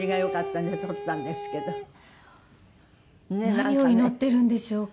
何を祈っているんでしょうか？